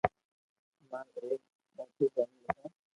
امارآ ايڪ موٽي فآملي ھي